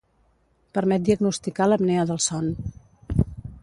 Permet diagnosticar l'apnea del son.